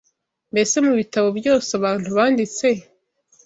Mbese mu bitabo byose abantu banditse